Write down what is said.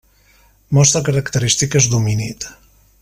Mostra característiques d'homínid.